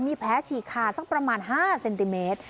มีแผลฉีกขาดสักประมาณ๕เซนติเมตร